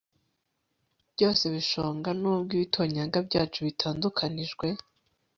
Byose bishonga nubwo ibitonyanga byacu bitandukanijwe